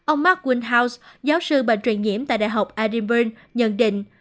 ông mark windhouse giáo sư bệnh truyền nhiễm tại đại học edinburgh nhận định